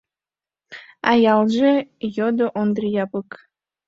— А ялже? — йодо Ондри Япык.